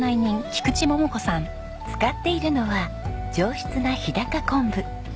使っているのは上質な日高昆布。